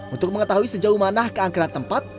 untuk mengetahui sejauh mana keangkeran tempat